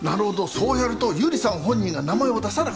そうやると由里さん本人が名前を出さなくて済む。